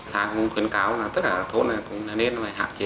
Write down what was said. xã cũng khuyến cáo tất cả thôn nên hạn chế